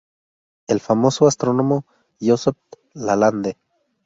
El famoso astrónomo Joseph Lalande.